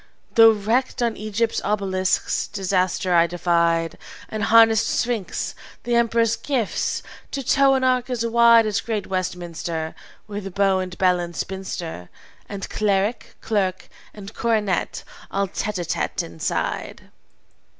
"Though, wrecked on Egypt's obelisks, disaster I defied, And harnessed Sphinx, the emperor's gift, to tow an ark as wide As great Westminster; With beau and bell and spinster, And cleric, clerk, and coronet all tête à tête inside.